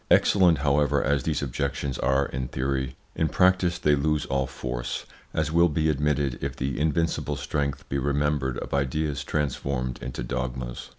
Excellent, however, as these objections are in theory, in practice they lose all force, as will be admitted if the invincible strength be remembered of ideas transformed into dogmas.